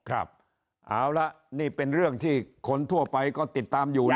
ครับเอาละนี่เป็นเรื่องที่คนทั่วไปก็ติดตามอยู่นะ